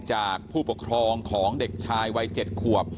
จากผู้ปกครองของเด็กชายวัย๗ขวบ